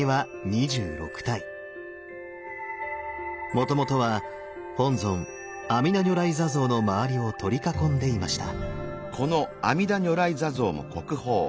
もともとは本尊阿弥陀如来坐像の周りを取り囲んでいました。